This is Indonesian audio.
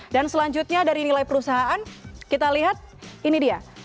dan selanjutnya dari nilai perusahaan kita lihat ini dia